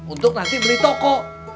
untuk nanti beli toko